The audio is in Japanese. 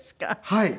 はい。